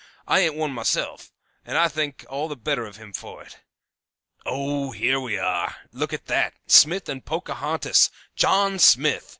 I ain't one myself, and I think all the better of him for it. "Ah, here we are! Look at that! Smith and Pocahontas! John Smith!